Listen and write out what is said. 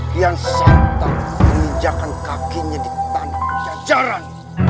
kian santal meninjakan kakinya di tanah jajaran